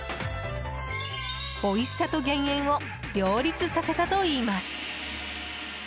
おいしさと減塩を両立させたといいます。